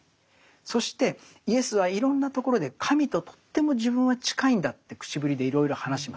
そしてイエスはいろんなところで神ととっても自分は近いんだって口ぶりでいろいろ話します。